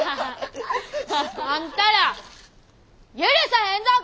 あんたら許さへんぞコラッ！